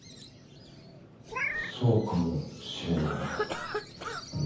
そうかもしれないな。